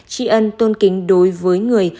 tri ân tôn kính đối với người